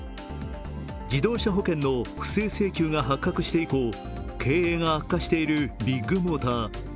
自動車保険の不正請求が発覚して以降経営が悪化しているビッグモーター。